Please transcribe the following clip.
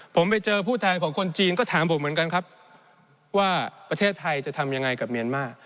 ผมไปเจอผู้แทนของคนจีนก็ถามผมเหมือนกันครับว่าประเทศไทยจะทำยังไงกับเมียนมาร์